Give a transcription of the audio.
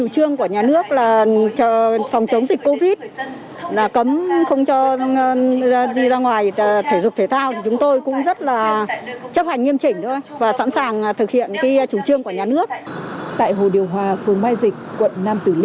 tại hồ điều hòa phương mai dịch quận nam tửu